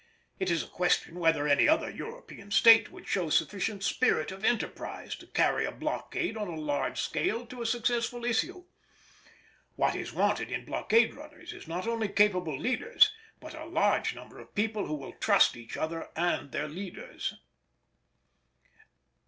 It is a question whether any other European State would show sufficient spirit of enterprise to carry a blockade on a large scale to a successful issue. What is wanted in blockade runners is not only capable leaders, but a large number of people who will trust each other and their leaders.